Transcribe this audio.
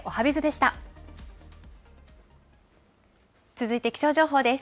続いて気象情報です。